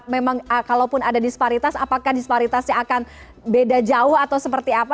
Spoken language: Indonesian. memang kalaupun ada disparitas apakah disparitasnya akan beda jauh atau seperti apa